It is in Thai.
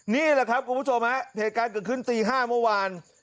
นี่แหละครับคุณผู้ชมฮะเหตุการณ์เกิดขึ้นตี๕เมื่อวาน